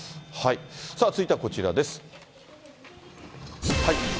続いてはこちらです。